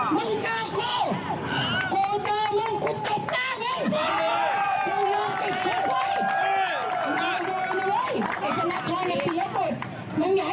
กูจะแกล้งกันบนพวกมึง